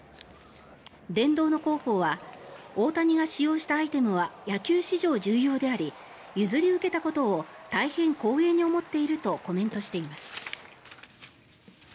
殿堂の広報は大谷が使用したアイテムは野球史上重要であり譲り受けたことを大変光栄に思っているとコメントしています。